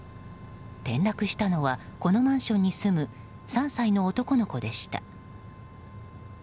転落したのはこのマンションに住む３歳の男の子でした。